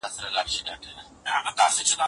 زه مسافر په لاره تلم ودې ويشتمه